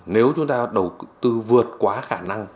nếu chúng ta đầu tư vượt quá khả năng